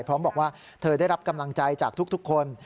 พร้อมบอกว่าเธอได้รับกำลังใจจากทุกคน